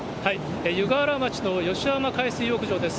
湯河原町のよしはま海水浴場です。